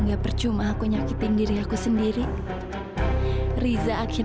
nggak percuma aku nyakitin diri aku sendiri riza akhirnya benar benar akan nikahin aku